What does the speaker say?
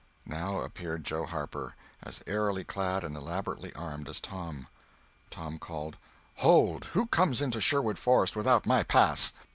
Now appeared Joe Harper, as airily clad and elaborately armed as Tom. Tom called: "Hold! Who comes here into Sherwood Forest without my pass?"